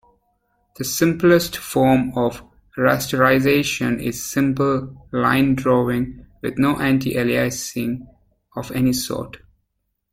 The simplest form of rasterization is simple line-drawing with no anti-aliasing of any sort.